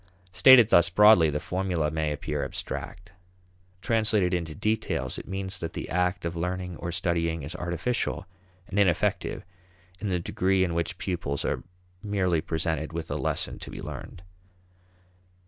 Stated thus broadly, the formula may appear abstract. Translated into details, it means that the act of learning or studying is artificial and ineffective in the degree in which pupils are merely presented with a lesson to be learned.